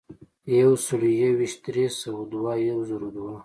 یو سلو یو ویشت ، درې سوه دوه ، یو زرو دوه.